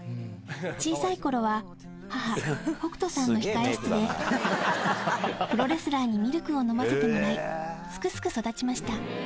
小さいころは、母、北斗さんの控え室で、プロレスラーにミルクを飲ませてもらい、すくすく育ちました。